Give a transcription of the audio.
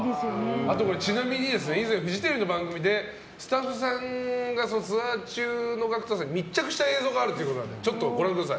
ちなみに以前フジテレビの番組でスタッフさんがツアー中のＧＡＣＫＴさんに密着した映像があるということでご覧ください。